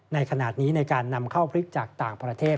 ในขณะนี้ในการนำเข้าพริกจากต่างประเทศ